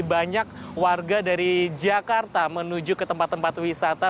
banyak warga dari jakarta menuju ke tempat tempat wisata